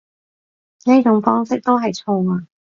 呢種方式都係錯啊